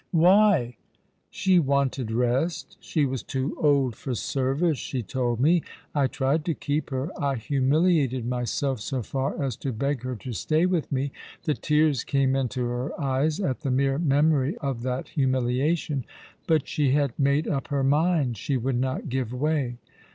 8i "Why?" " She wanted rest. She was too old for service, she told me. I tried to keep her. I humiliated myself so far as to beg her to stay with mo "—the tears came into her eyes at the mere memory of that humiliation —" but she had made up her mind. She would not give way."